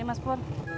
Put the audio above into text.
ini mas pur